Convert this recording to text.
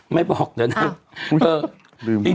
ไม่บอกนะตรงนั้น